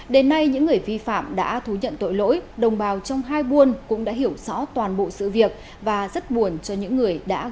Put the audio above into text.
đến nay những người vi phạm đã thú nhận tội lỗi đồng bào trong hai buôn cũng đã hiểu rõ toàn bộ sự việc và rất buồn cho những người đã gây ra vụ việc trên